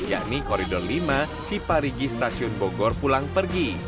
yakni koridor lima ciparigi stasiun bogor pulang pergi